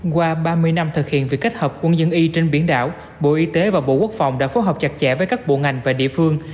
qua ba mươi năm thực hiện việc kết hợp quân dân y trên biển đảo bộ y tế và bộ quốc phòng đã phối hợp chặt chẽ với các bộ ngành và địa phương